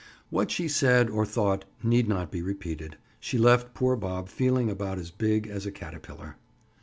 What she said, or thought, need not be repeated. She left poor Bob feeling about as big as a caterpillar.